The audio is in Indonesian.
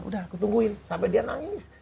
udah aku tungguin sampai dia nangis